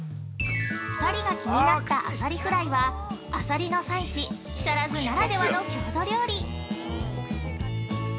◆２人が気になった浅利フライはアサリの産地・木更津ならではの郷土料理。